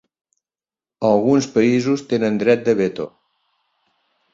Alguns països tenen dret de veto.